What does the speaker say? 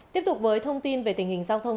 tiếp tục với thông tin về tình hình giao thông